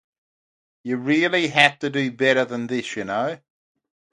The results were published in the "British Medical Journal".